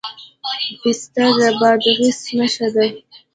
پسته د بادغیس نښه ده.